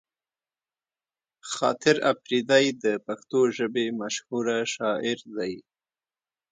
خاطر اپريدی د پښتو ژبې مشهوره شاعر دی